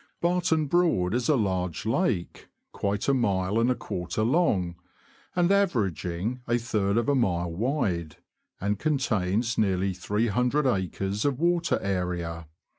Barton Broad is a large lake, quite a mile and a quarter long, and averaging a third of a mile wide, and contains nearly 300 acres of water area.